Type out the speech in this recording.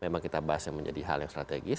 memang kita bahas yang menjadi hal yang strategis